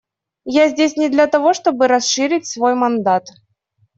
Я здесь не для того, чтобы расширить свой мандат.